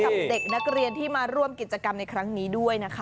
กับเด็กนักเรียนที่มาร่วมกิจกรรมในครั้งนี้ด้วยนะคะ